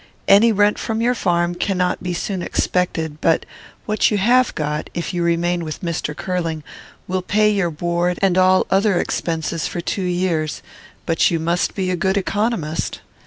Any rent from your farm cannot be soon expected; but what you have got, if you remain with Mr. Curling, will pay your board and all other expenses for two years; but you must be a good economist.